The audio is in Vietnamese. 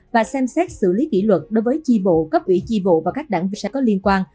và xem xét xử lý kỷ luật đối với chi bộ cấp ủy chi bộ và các đảng viên sẽ có liên quan